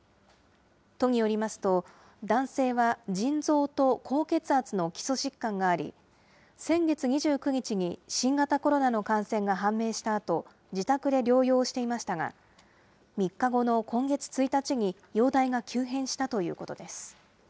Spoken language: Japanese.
都によりますと、男性は腎臓と高血圧の基礎疾患があり、先月２９日に新型コロナの感染が判明したあと、自宅で療養していましたが、３日後の今月１日に容体が急変したということです。